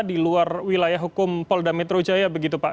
di luar wilayah hukum polda metro jaya begitu pak